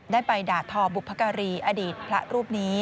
ได้ไปด่าทอบุพการีอดีตพระรูปนี้